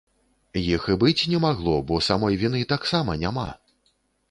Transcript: Іх і быць не магло, бо самой віны таксама няма.